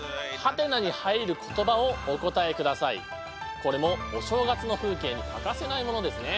これもお正月の風景に欠かせないものですね。